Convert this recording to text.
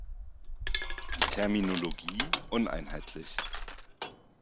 Die Terminologie uneinheitlich.